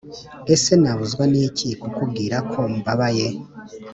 ese nabuzwa niki kukubwira ko mbabaye